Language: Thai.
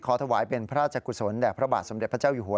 ถวายเป็นพระราชกุศลแด่พระบาทสมเด็จพระเจ้าอยู่หัว